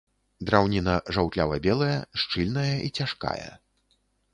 Драўніна жаўтлява-белая, шчыльная і цяжкая.